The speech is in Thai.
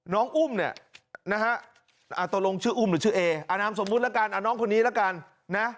น้องอุ๋มตัวลงชื่ออุ๋มหรือชื่อเออานามสมมุติละกันน้องคนนี้ละกัน